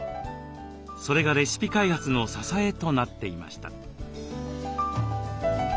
それがレシピ開発の支えとなっていました。